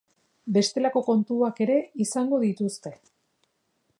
Bestelako kontuak ere izango dituzte.